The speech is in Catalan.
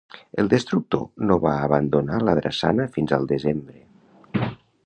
El "destructor" no va abandonar la drassana fins al desembre.